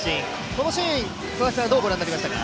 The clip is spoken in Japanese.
このシーン、どうご覧になりましたか？